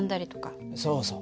そうそう。